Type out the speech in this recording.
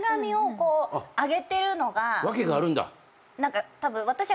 訳があるんだ。